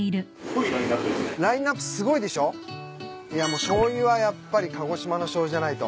いやもうしょうゆはやっぱり鹿児島のしょうゆじゃないと。